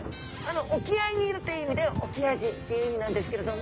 沖合にいるという意味でオキアジっていう意味なんですけれども。